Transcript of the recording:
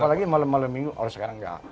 apalagi malam malam minggu kalau sekarang enggak